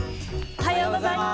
おはようございます！